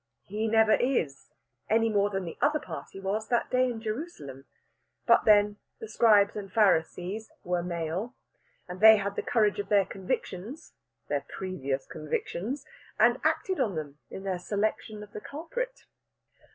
He never is, any more than the other party was that day in Jerusalem. But, then, the Scribes and Pharisees were male! And they had the courage of their convictions their previous convictions! and acted on them in their selection of the culprit.